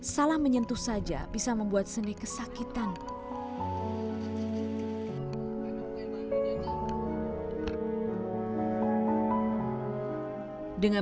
salah menyentuh saja bisa membuat seni kesakitan